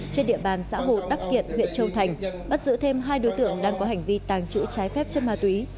trên địa bàn xã hồ đắc kiện huyện châu thành bắt giữ thêm hai đối tượng đang có hành vi tàng trữ trái phép chất ma túy